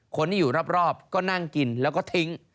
คนที่อยู่รอบก็นั่งกินแล้วก็ทิ้ง